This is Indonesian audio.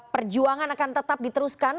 perjuangan akan tetap diteruskan